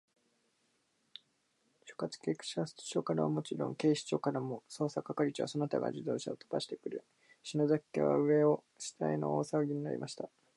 所轄警察署からはもちろん、警視庁からも、捜査係長その他が自動車をとばしてくる、篠崎家は、上を下への大さわぎになりました。